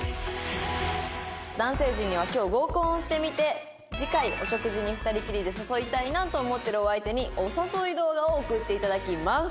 男性陣には今日合コンをしてみて次回お食事に２人きりで誘いたいなと思ってるお相手にお誘い動画を送っていただきます。